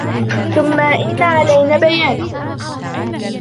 ثم إن علينا بيانه